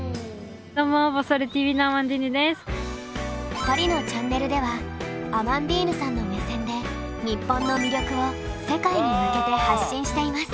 ２人のチャンネルではアマンディーヌさんの目線で日本の魅力を世界に向けて発信しています。